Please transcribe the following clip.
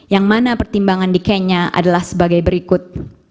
yang mana pertimbangan di kenya adalah sebagai berikut